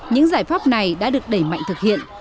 những giải pháp này đã được đẩy mạnh thực hiện